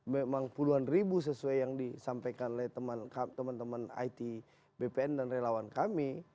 memang puluhan ribu sesuai yang disampaikan oleh teman teman it bpn dan relawan kami